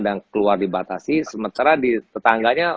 dan keluar dibatasi sementara di tetangganya